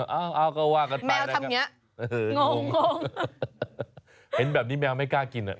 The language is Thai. เอาเอาก็ว่ากันไปแมวทำเงี้ยงงงเห็นแบบนี้แมวไม่กล้ากินอ่ะ